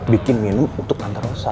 bikin minum untuk antar rosa